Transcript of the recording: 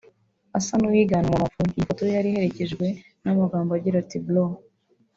asa n’uwigana umuntu wapfuye; iyi foto yo yari iherekejwe n’amagambo agira ati “brr